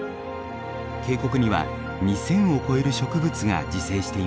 渓谷には２，０００を超える植物が自生しています。